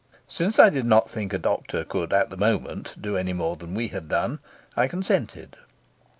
Since I did not think a doctor could at the moment do any more than we had done, I consented.